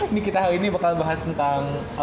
ini kita hari ini bakal bahas tentang